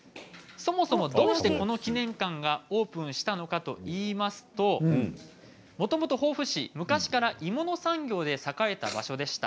そもそも、どうしてこの記念館がオープンしたかといいますともともと防府市、昔から鋳物産業で栄えた場所でした。